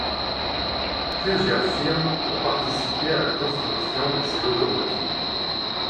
Plusieurs firmes ont participé à la construction de ces locomotives.